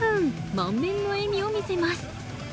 満面の笑みを見せます。